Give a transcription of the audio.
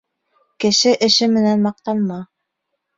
Кеше эше менән маҡтанма.